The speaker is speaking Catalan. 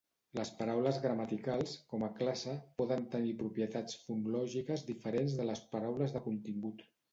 Les paraules gramaticals, com a classe, poden tenir propietats fonològiques diferents de les paraules de contingut.